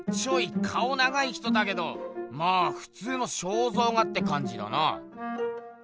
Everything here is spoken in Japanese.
長い人だけどまあふつうの肖像画ってかんじだな。